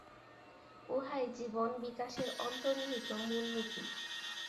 উহাই জীবন-বিকাশের অন্তর্নিহিত মূল নীতি।